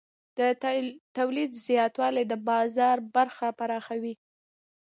د تولید زیاتوالی د بازار برخه پراخوي.